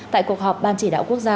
tại cuộc họp ban chỉ đạo quốc gia